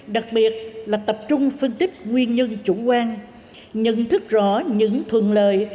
đặc biệt là tập trung phân tích nguyên nhân chủ quan nhận thức rõ những thuận lợi